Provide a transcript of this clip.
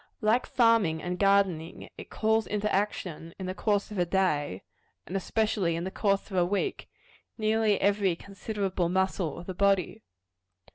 Like farming and gardening, it calls into action, in the course of a day, and especially in the course of a week, nearly every considerable muscle of the body.